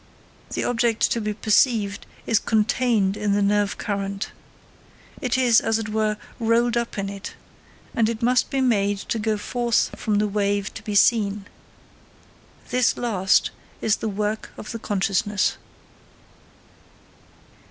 The object to be perceived is contained in the nerve current. It is, as it were, rolled up in it; and it must be made to go forth from the wave to be seen. This last is the work of the consciousness.